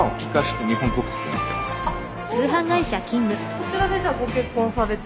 こちらでご結婚されて？